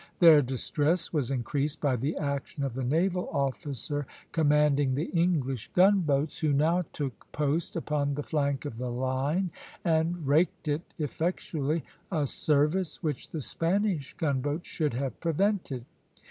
Their distress was increased by the action of the naval officer commanding the English gunboats, who now took post upon the flank of the line and raked it effectually, a service which the Spanish gunboats should have prevented.